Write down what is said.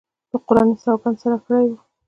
په قرآن یې سوګند سره کړی وو.